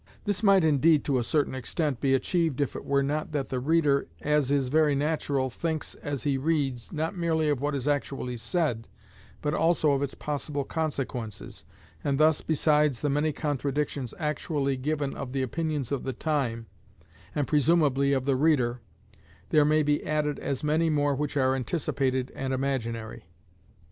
This might indeed to a certain extent be achieved if it were not that the reader, as is very natural, thinks, as he reads, not merely of what is actually said, but also of its possible consequences, and thus besides the many contradictions actually given of the opinions of the time, and presumably of the reader, there may be added as many more which are anticipated and imaginary.